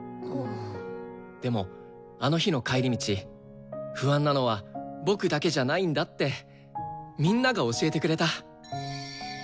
でもあの日の帰り道不安なのは僕だけじゃないんだってみんなが教えてくれた。